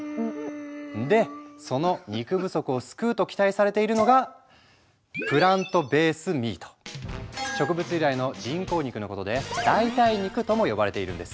でその肉不足を救うと期待されているのが植物由来の人工肉のことで代替肉とも呼ばれているんです。